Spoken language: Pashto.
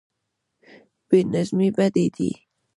بې نظمي بد دی.